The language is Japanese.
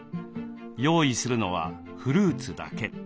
用意するのはフルーツだけ。